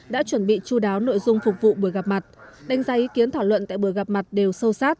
đã chuẩn bị chú đáo nội dung phục vụ buổi gặp mặt đánh giá ý kiến thảo luận tại buổi gặp mặt đều sâu sát